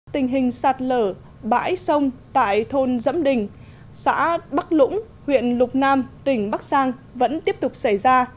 tình hình sạt lở bãi sông tại thôn dẫm đình xã bắc lũng huyện lục nam tỉnh bắc giang vẫn tiếp tục xảy ra